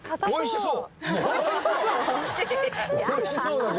「おいしそう」